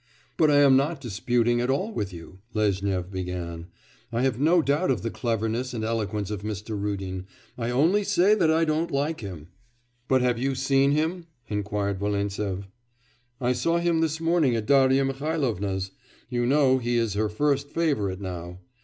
'But I am not disputing at all with you,' Lezhnyov began. 'I have no doubt of the cleverness and eloquence of Mr. Rudin; I only say that I don't like him.' 'But have you seen him?' inquired Volintsev. 'I saw him this morning at Darya Mihallovna's. You know he is her first favourite now.